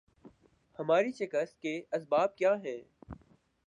ہماری شکست کے اسباب کیا ہیں